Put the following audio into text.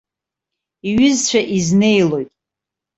Иҩызцәа изнеилоит.